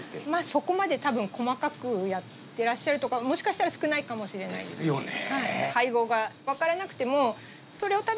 そこまで細かくやってらっしゃるところはもしかしたら少ないかもしれないです。ですよね。